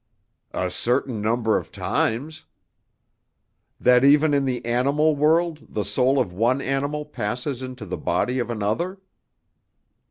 "A certain number of times." "That even in the animal world the soul of one animal passes into the body of another?"